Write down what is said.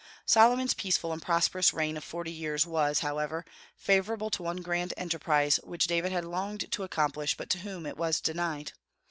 Solomon's peaceful and prosperous reign of forty years was, however, favorable to one grand enterprise which David had longed to accomplish, but to whom it was denied.